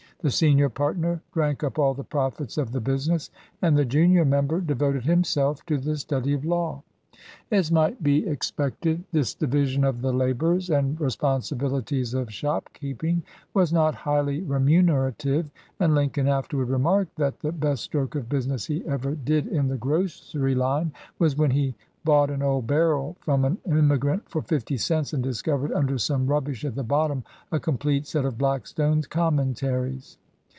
The senior partner drank up all the profits of the business, and the junior member devoted himself to the study of law. As might be ex 49 LINCOLN THE LAWYER pected, this division of the labors and responsi bilities of shopkeeping was not highly remunera tive, and Lincoln afterward remarked that the best stroke of business he ever did in the grocery line was when he bought an old barrel from an immigrant for fifty cents and discovered under some rubbish at the bottom a complete set of Blackstone's Commentaries.